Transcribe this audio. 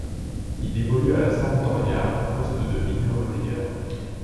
Il évolue à la Sampdoria au poste de milieu relayeur.